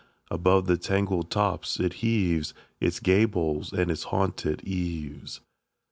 Above the tangled tops it heaves Its gables and its haunted eaves.